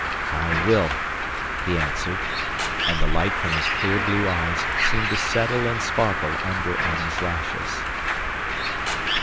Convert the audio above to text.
"I will," he answered, and the light from his clear blue eyes seemed to settle and sparkle under Annie's lashes.